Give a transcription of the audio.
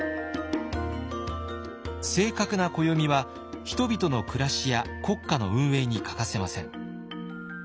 正確な暦は人々の暮らしや国家の運営に欠かせません。